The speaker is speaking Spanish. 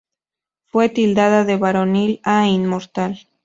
Fue tildada de varonil e inmoral.